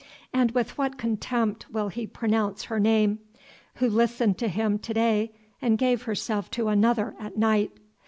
and with what contempt will he pronounce her name, who listened to him to day and gave herself to another at night!